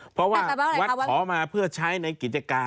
เพราะว่าวัดขอมาเพื่อใช้ในกิจการ